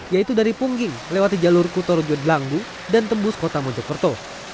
yaitu dari pungging lewati jalur kutorojo delangbu dan tembus kota mojokerto